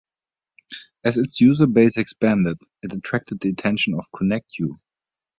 As its user-base expanded, it attracted the attention of ConnectU.